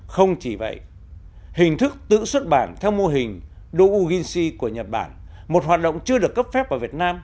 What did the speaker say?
không chỉ vậy hình thức tự xuất bản theo mô hình douginsy của nhật bản một hoạt động chưa được cấp phép ở việt nam